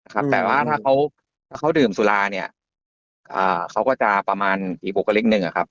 ครับแต่ว่าถ้าเขาเขาดื่มสุราเนี้ยอ่าเขาก็จะประมาณอีบกลุ่มกว่าเล็กหนึ่งอ่ะครับ